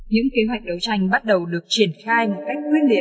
những kế hoạch đấu tranh bắt đầu được triển khai một cách quyết liệt